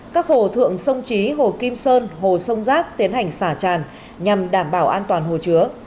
các hồ thượng sông trí hồ kim sơn hồ sông giáp tiến hành xả tràn nhằm đảm bảo an toàn hồ chứa